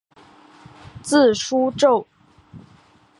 字叔胄。